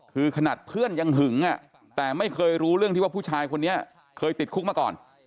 คือขนาดเพื่อนยังหึงแต่ไม่เคยรู้เรื่องที่ว่าผู้ชายคนนี้เคยติดคุกมาก่อน